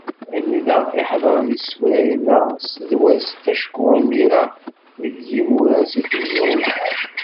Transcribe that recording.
Anida i ḥeḍren i teswiɛin-a s tedwast, acku imir-a deg yimuras i ten-yuɣ lḥal.